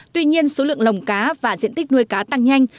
tuy nhiên số lượng lồng cá và diện tích nuôi cá tăng nhanh